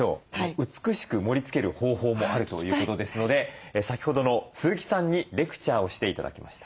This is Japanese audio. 美しく盛りつける方法もあるということですので先ほどの鈴木さんにレクチャーをして頂きました。